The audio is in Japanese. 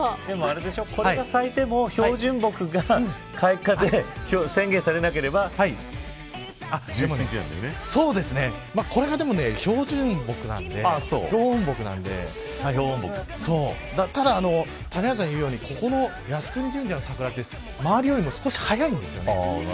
これが咲いても標準木が開花で宣言されなければこれが標準木なのでただ、谷原さんが言うように靖国神社の桜は周りよりも、少し早いんですね。